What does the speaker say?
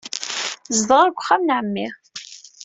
Zedɣeɣ deg uxxam n ɛemmi.